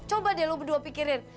coba deh lo berdua pikirin